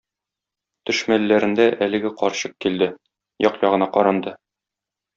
Төш мәлләрендә әлеге карчык килде, як-ягына каранды.